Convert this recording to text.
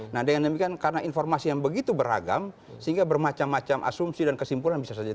nah dengan demikian karena informasi yang begitu beragam sehingga bermacam macam asumsi dan kesimpulan bisa saja